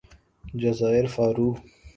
جزائر فارو